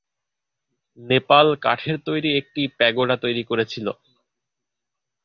নেপাল কাঠের তৈরি একটি প্যাগোডা তৈরি করেছিল।